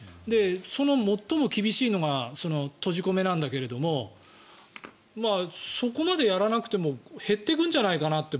その最も厳しいのがその閉じ込めなんだけどもそこまでやらなくても減ってくんじゃないかなって